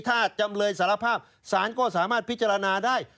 ถ้าจำเลยสารภาพสารก็สามารถพิจารณาได้